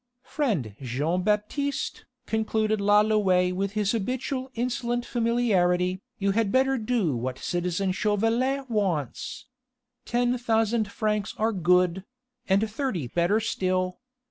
"Friend Jean Baptiste," concluded Lalouët with his habitual insolent familiarity, "you had better do what citizen Chauvelin wants. Ten thousand francs are good ... and thirty better still.